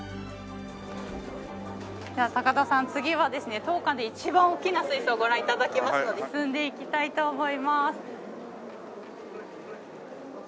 では高田さん次はですね当館で一番大きな水槽をご覧頂きますので進んでいきたいと思います。